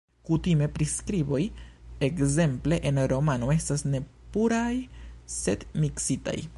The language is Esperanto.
Kutime priskriboj, ekzemple en romano, estas ne puraj sed miksitaj.